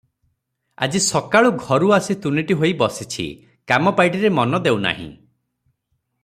ଆଜି ସକାଳୁ ଘରୁ ଆସି ତୁନିଟି ହୋଇ ବସିଛି, କାମ ପାଇଟିରେ ମନ ଦେଉ ନାହିଁ ।